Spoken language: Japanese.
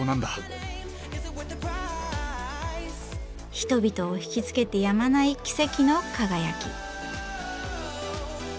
人々を惹きつけてやまない奇跡の輝き。